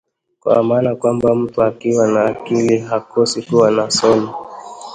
Kwa maana kwamba, mtu akiwa na akili hakosi kuwa na soni